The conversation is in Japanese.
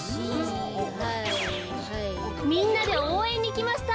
みんなでおうえんにきました。